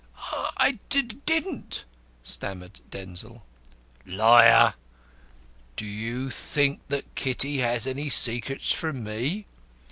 "I did didn't," stammered Denzil. "Liar! Do you think Kitty has any secrets from me?